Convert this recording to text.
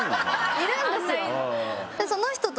いるんですよ。